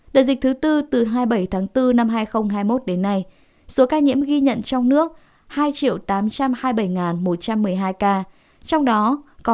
đợt dịch thứ bốn từ hai mươi bảy tháng bốn năm hai nghìn hai mươi một đến nay số ca nhiễm ghi nhận trong nước hai tám trăm hai mươi bảy một trăm một mươi hai ca trong đó có hai